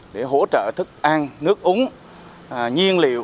để hỗ trợ thức ăn nước uống nhiên liệu